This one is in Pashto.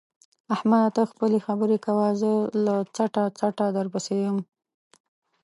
احمده! ته خپلې خبرې کوه زه له څټه څټه درپسې یم.